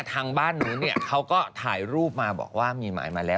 ทางบ้านนู้นเนี่ยเขาก็ถ่ายรูปมาบอกว่ามีหมายมาแล้ว